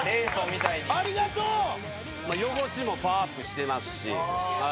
汚しもパワーアップしてますし。